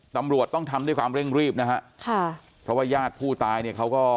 ตำรวจต้องทำด้วยความเร่งรีบนะฮะค่ะเพราะว่าญาติผู้ตายเนี่ยเขาก็